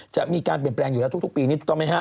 จะมีการเปลี่ยนแปลงอยู่แล้วทุกปีนี้ถูกต้องไหมฮะ